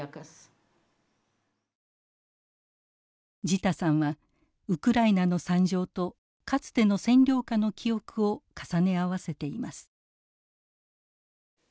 ジタさんはウクライナの惨状とかつての占領下の記憶を重ね合わせています。